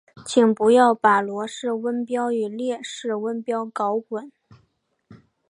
请不要把罗氏温标与列氏温标搞混。